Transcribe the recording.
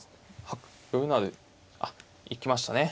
あっ行きましたね。